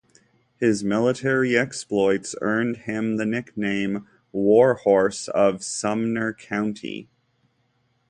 His military exploits earned him the nickname, War Horse of Sumner County.